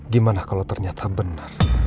gimana kalau ternyata benar